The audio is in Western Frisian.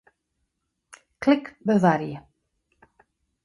Klik Bewarje.